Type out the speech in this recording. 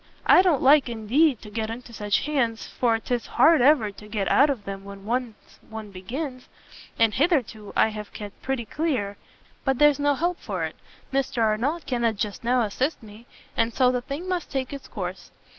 I don't like, indeed, to get into such hands, for 'tis hard ever to get out of them when once one begins, and hitherto I have kept pretty clear. But there's no help for it Mr Arnott cannot just now assist me and so the thing must take its course.